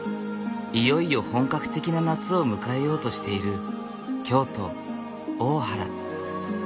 いよいよ本格的な夏を迎えようとしている京都・大原。